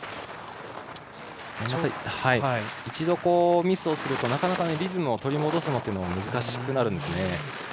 一度、ミスをするとなかなかリズムを取り戻すのが難しくなるんですね。